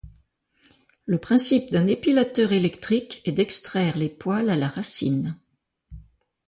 Le principe d’un épilateur électrique est d’extraire les poils à la racine.